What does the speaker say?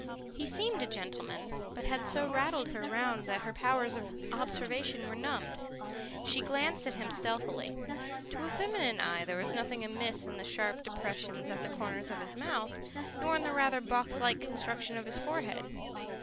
He seemed a gentleman, but had so rattled her round that her powers of observation were numbed. She glanced at him stealthily. To a feminine eye there was nothing amiss in the sharp depressions at the corners of his mouth, nor in the rather box like construction of his forehead.